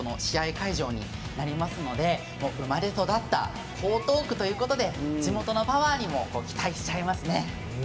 会場になりますので生まれ育った江東区ということで地元のパワーにも期待しちゃいますね。